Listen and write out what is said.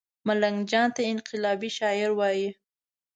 ملنګ جان ته انقلابي شاعر وايي